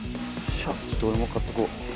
ちょっと俺も買ってこう。